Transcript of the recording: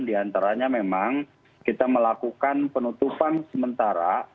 di antaranya memang kita melakukan penutupan sementara